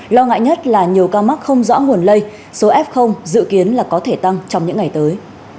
lo ngại nhất là nhiều ca mắc không rõ nguồn lây số f dự kiến là có thể tăng trong những ngày tới